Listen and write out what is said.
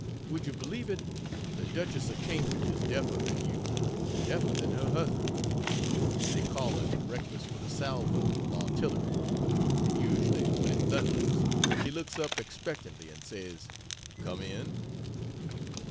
Would you believe it? the Duchess of Cambridge is deafer than you deafer than her husband. They call her to breakfast with a salvo of artillery; and usually when it thunders she looks up expectantly and says "come in....."